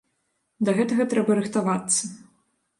Да гэтага трэба рыхтавацца.